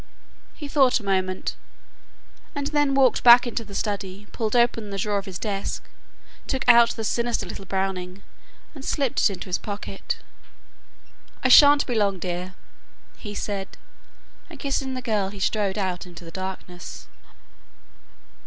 He thought a moment, and then walked back slowly into the study, pulled open the drawer of his desk, took out the sinister little Browning, and slipped it into his pocket. "I shan't be long, dear," he said, and kissing the girl he strode out into the darkness.